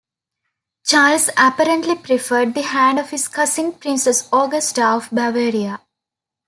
Charles apparently preferred the hand of his cousin Princess Augusta of Bavaria.